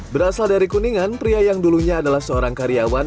berasal dari kuningan pria yang dulunya adalah seorang karyawan